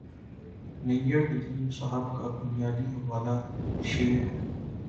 نیّرندیم صاحب کا بنیادی حوالہ شعر ہے